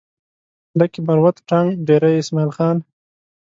لکي مروت ټانک ډېره اسماعيل خان